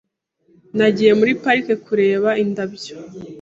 Nagiye muri parike kureba indabyo .